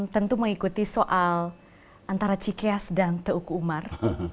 tentu mengikuti soal antara cikeas dan teuku umar